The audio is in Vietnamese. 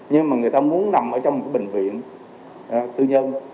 nhưng mà người ta muốn nằm trong một bệnh viện tư nhân